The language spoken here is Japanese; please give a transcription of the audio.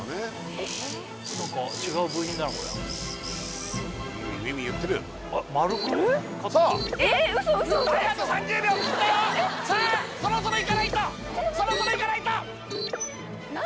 ええっ何か違う部品だなこれはウィンウィンいってる丸くカットえっウソウソウソあと３０秒切ったよさあそろそろいかないとそろそろいかないと何？